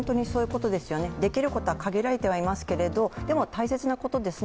できることは限られていますけど大切なことですよね